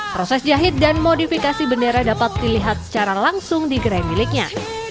proses jahit dan modifikasi bendera dapat dilihat secara langsung di gerai miliknya